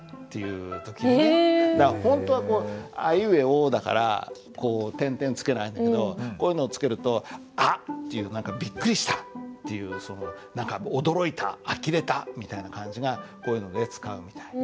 だから本当は「あいうえお」だからこう点々付けないんだけどこういうのを付けると「」っていう何かビックリしたっていう何か驚いたあきれたみたいな感じがこういうので使うみたいですね。